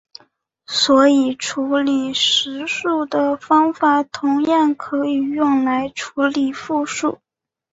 所以处理实数的方法同样可以用来处理复数。